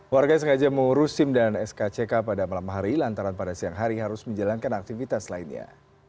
warga sengaja mengurus sim dan skck pada malam hari lantaran pada siang hari harus menjalankan aktivitas lainnya